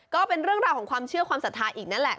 ก็เป็นเรื่องราวของความเชื่อความศรัทธาอีกนั่นแหละ